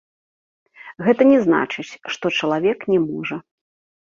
Гэта не значыць, што чалавек не можа.